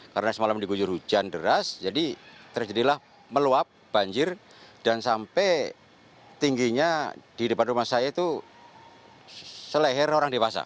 karena semalam digunjur hujan deras jadi terjadilah meluap banjir dan sampai tingginya di depan rumah saya itu seleher orang dewasa